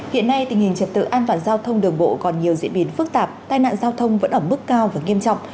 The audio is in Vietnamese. hiện nay tình hình trật tự an toàn giao thông đường bộ còn nhiều diễn biến phức tạp tai nạn giao thông vẫn ở mức cao và nghiêm trọng